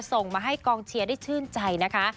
ส่งมาให้กองเชียร์ได้ชื่นใจนะคะ